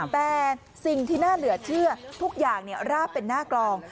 แต่สิ่งที่น่าเหลือเชื่อทุกอย่างราบเป็นหน้ากลอง